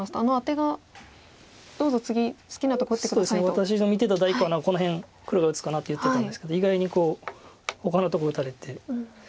私が見てた第一感は何かこの辺黒が打つかなと言ってたんですが意外にこうほかのところ打たれて。